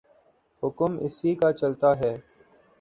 حکم اسی کا چلتاہے۔